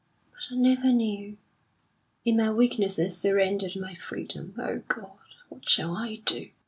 But I never knew. In my weakness I surrendered my freedom. O God! what shall I do?"